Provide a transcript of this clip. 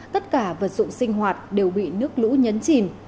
tất cả vật dụng sinh hoạt đều bị nước lũ nhấn chìm